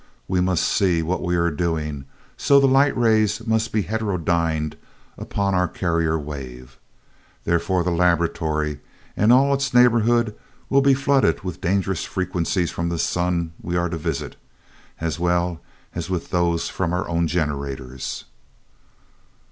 We must see what we are doing, so the light rays must be heterodyned upon our carrier wave. Therefore the laboratory and all its neighborhood will be flooded with dangerous frequencies from the sun we are to visit, as well as with those from our own generators."